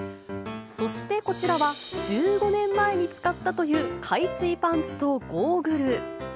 そしてこちらは、１５年前に使ったという海水パンツとゴーグル。